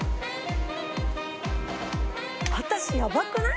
私やばくない？